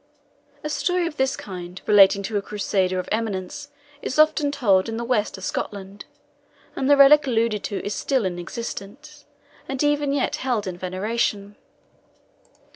A story of this kind, relating to a Crusader of eminence, is often told in the west of Scotland, and the relic alluded to is still in existence, and even yet held in veneration.